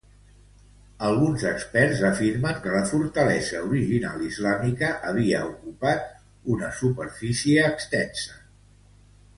Alguns experts afirmen que la fortalesa original islàmica havia ocupat una superfície extensa.